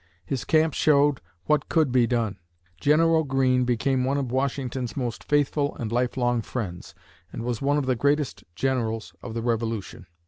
His camp showed what could be done. General Greene became one of Washington's most faithful and lifelong friends, and was one of the greatest generals of the Revolution.